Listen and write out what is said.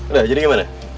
udah jadi gimana